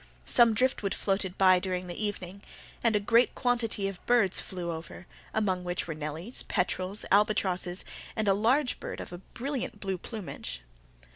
Some driftwood floated by during the evening, and a great quantity of birds flew over, among which were nellies, peterels, albatrosses, and a large bird of a brilliant blue plumage.